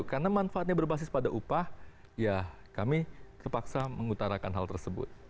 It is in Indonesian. karena manfaatnya berbasis pada upah ya kami terpaksa mengutarakan hal tersebut